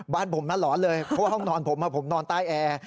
บ้านผมนะหลอนเลยเพราะว่าห้องนอนผมผมนอนใต้แอร์